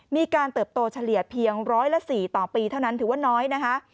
เติบโตเฉลี่ยเพียงร้อยละ๔ต่อปีเท่านั้นถือว่าน้อยนะคะ